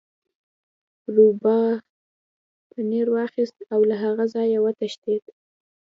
روباه پنیر واخیست او له هغه ځایه وتښتید.